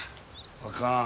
あかん。